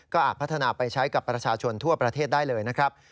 อาจพัฒนาไปใช้กับประชาชนทั่วประเทศได้เลยนะครับ